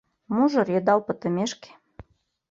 Мужыр йыдал пытымешке.